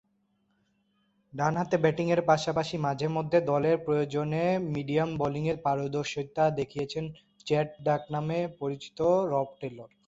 ডানহাতে ব্যাটিংয়ের পাশাপাশি মাঝে-মধ্যে দলের প্রয়োজনে মিডিয়াম বোলিংয়ে পারদর্শীতা দেখিয়েছেন ‘চ্যাট’ ডাকনামে পরিচিত বব টেলর।